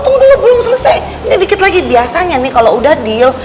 oh udah belum selesai ini dikit lagi biasanya nih kalau udah deal